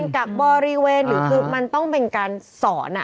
กักบริเวณหรือคือมันต้องเป็นการสอน